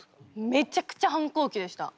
めちゃくちゃ反抗期でした。